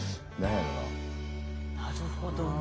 なるほどね。